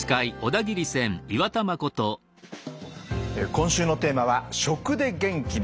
今週のテーマは「『食』で元気に！」